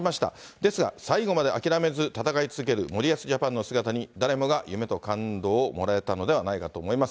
ですが、最後まで諦めず、戦い続ける森保ジャパンの姿に誰もが夢と感動をもらえたのではないかと思います。